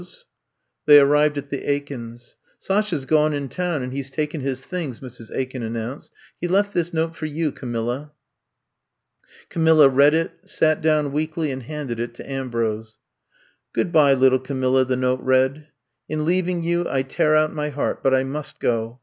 ' I'VE COMB TO STAY 185 They arrived at the Aikens \ '^Sasha 's gone in town and he 's taken his things/' Mrs. Aiken announced. ''He left this note for you, Camilla. *' Camilla read it, sat down weakly and handed it to Ambrose. Good by, little Camilla, *' the note read. In leaving you, I tear out my heart — ^but I must go.